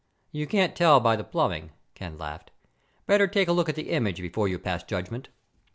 "You can't tell by the plumbing," Ken laughed. "Better take a look at the image before you pass judgment."